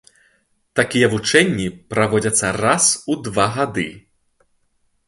Такія вучэнні праводзяцца раз у два гады.